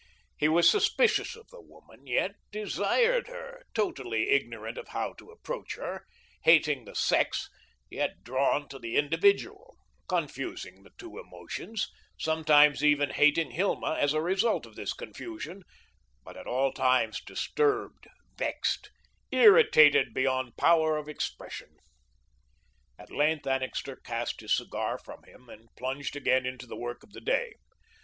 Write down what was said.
He was suspicious of the woman, yet desired her, totally ignorant of how to approach her, hating the sex, yet drawn to the individual, confusing the two emotions, sometimes even hating Hilma as a result of this confusion, but at all times disturbed, vexed, irritated beyond power of expression. At length, Annixter cast his cigar from him and plunged again into the work of the day.